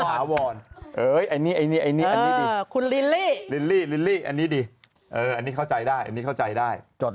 แป๊บแป๊บ